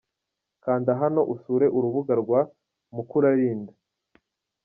Kanda hano usure urubuga rwa Mukuralinda.